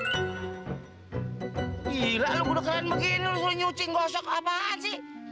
gila lu gila keren begini lu suruh nyuci ngosok apaan sih